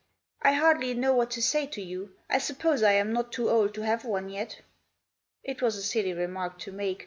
" I hardly know what to say to you. I suppose I am not too old to have one yet." It was a silly remark to make.